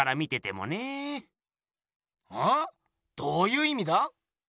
どういう意味だ？